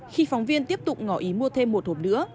khi phóng viên tiếp tục ngỏ ý mua thêm một hộp nữa